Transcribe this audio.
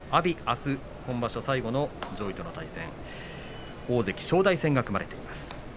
阿炎が今場所最後の上位との対戦大関正代戦が組まれています。